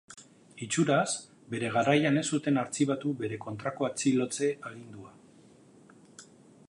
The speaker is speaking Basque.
Itxuraz, bere garaian ez zuten artxibatu bere kontrako atxilotze agindua.